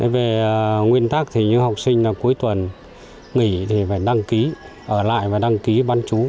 về nguyên tắc thì như học sinh là cuối tuần nghỉ thì phải đăng ký ở lại và đăng ký bán trú